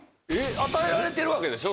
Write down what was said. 与えられてるわけでしょ？